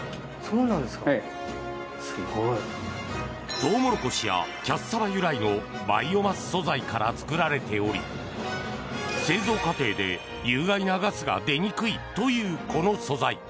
トウモロコシやキャッサバ由来のバイオマス素材から作られており製造過程で有害なガスが出にくいというこの素材。